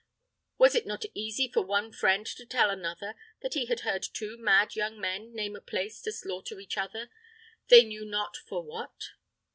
Was it not easy for one friend to tell another that he had heard two mad young men name a place to slaughter each other, they knew not for what?